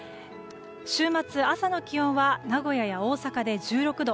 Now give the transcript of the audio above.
週末、朝の気温は名古屋や大阪で１６度。